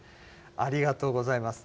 ありがとうございます。